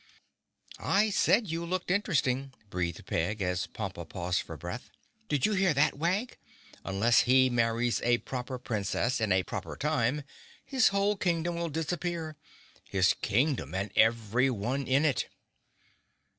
"I said you looked interesting," breathed Peg, as Pompa paused for breath. "Did you hear that, Wag? Unless he marries a Proper Princess in a proper time his whole Kingdom will disappear—his Kingdom and everyone in it!"